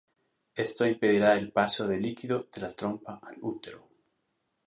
Esto impedirá el paso de líquido de la trompa al útero.